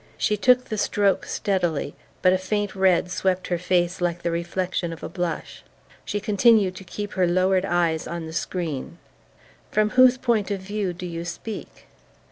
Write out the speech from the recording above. She took the stroke steadily, but a faint red swept her face like the reflection of a blush. She continued to keep her lowered eyes on the screen. "From whose point of view do you speak?"